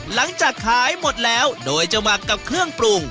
หลังจากขายหมดแล้วโดยจะหมักกับเครื่องปรุง